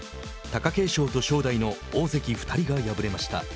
貴景勝と正代の大関２人が敗れました。